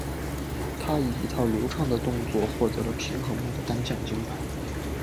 她以一套流畅的动作获得了平衡木的单项金牌。